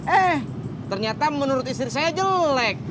eh ternyata menurut istri saya jelek